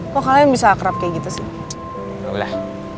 kok kalian bisa akrab kayak gitu sih